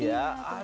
aduh gak sabar